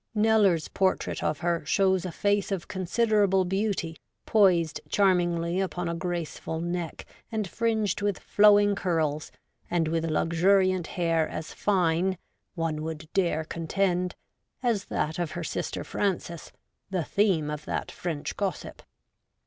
Kneller's portrait of her shows a face of considerable beauty, poised charmingly upon a graceful neck and fringed with flowing curls and with luxuriant hair as fine, one would dare contend, as that of her sister Frances, the theme of that French gossip.